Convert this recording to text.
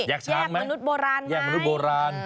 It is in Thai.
แยกช้างไหมแยกมนุษย์โบราณไหม